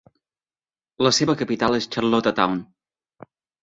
La seva capital és Charlottetown.